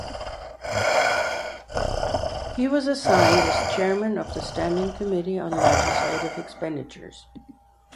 He was assigned as chairman of the standing committee on legislative expenditures.